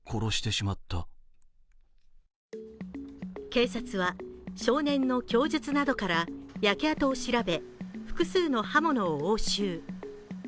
警察は少年の供述などから焼け跡を調べ複数の刃物を押収。